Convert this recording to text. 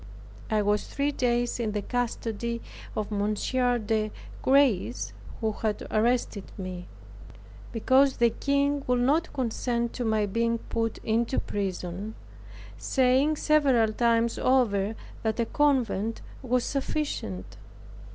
I was three days in the custody of Mons. des Grez, who had arrested me; because the king would not consent to my being put into prison; saying several times over, that a convent was sufficient.